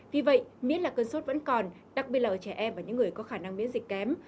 vì vậy miễn là cơn sốt vẫn còn đặc biệt là ở trẻ em và những người có khả năng miễn dịch kém